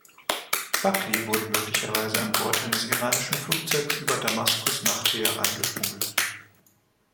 Buckley wurde möglicherweise an Bord eines iranischen Flugzeugs über Damaskus nach Teheran geschmuggelt.